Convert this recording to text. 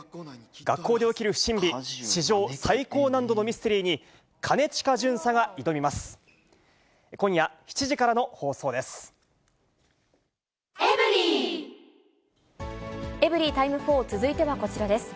学校で起きる不審火、史上最高難度のミステリーに、兼近巡査が挑みます。